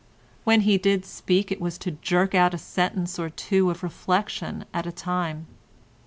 When he did speak it was to jerk out a sentence or two of reflection at a time.